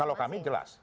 kalau kami jelas